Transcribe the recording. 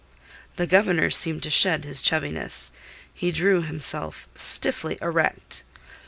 The Governor seemed to shed his chubbiness. He drew himself stiffly erect.